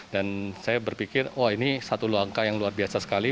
dan saya berpikir wah ini satu langkah yang luar biasa sekali